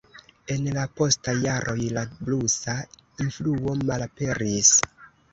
En la postaj jaroj la blusa influo malaperis.